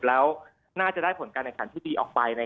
แล้วน่าจะได้ผลการแข่งขันที่ดีออกไป